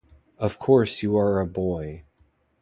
Of course you are a boy.